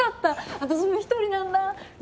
私も１人なんだ。ね